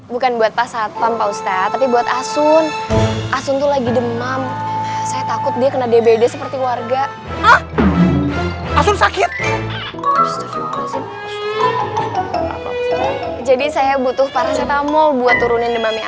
buat turunin demamnya asun